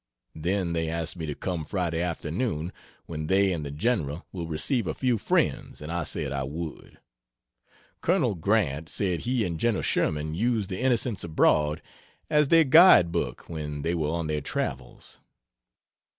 Then they asked me to come Friday afternoon, when they and the general will receive a few friends, and I said I would. Col. Grant said he and Gen. Sherman used the Innocents Abroad as their guide book when they were on their travels.